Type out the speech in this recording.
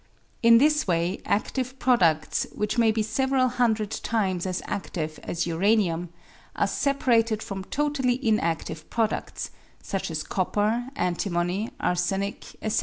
In this way adive produds, which may be several hundred times as adive as uranium, are separated from totally inadive produds, such as copper, antimony, arsenic, &c.